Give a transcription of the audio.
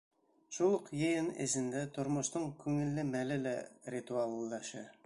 Шул уҡ йыйын эсендә тормоштоң күңелле мәле лә ритуалләшә.